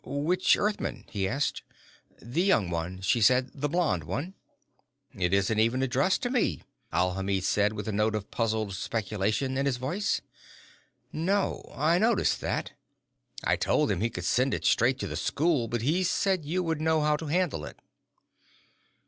"Which Earthman?" he asked. "The young one," she said, "the blond one." "It isn't even addressed to me," Alhamid said with a note of puzzled speculation in his voice. "No. I noticed that. I told him he could send it straight to the school, but he said you would know how to handle it."